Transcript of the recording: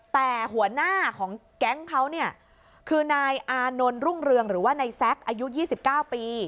แต่หัวหน้าของแก๊งเขาเนี่ยคือนายอานนท์รุ่งเรืองหรือว่านายแซ็กอายุ๒๙ปี